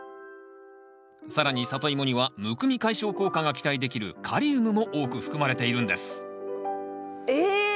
更にサトイモにはむくみ解消効果が期待できるカリウムも多く含まれているんですえ！